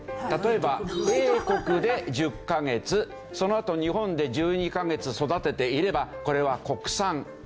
例えばＡ国で１０カ月そのあと日本で１２カ月で育てていればこれは国産。